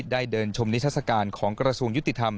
เดินชมนิทัศกาลของกระทรวงยุติธรรม